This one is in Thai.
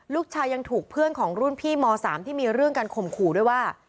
ลูกชายยังถูกเพื่อนของรุ่นพี่ม๓ที่มีเรื่องการข่มขู่ด้วยว่า